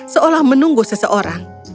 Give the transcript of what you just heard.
seolah menunggu seseorang